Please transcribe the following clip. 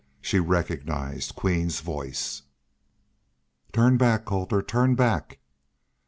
She recognized Queen's voice. "Turn back, Colter! Turn back!"